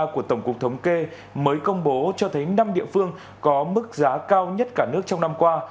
của tổng cục thống kê mới công bố cho thấy năm địa phương có mức giá cao nhất cả nước trong năm qua